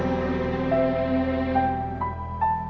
hanya itu bisa mutuai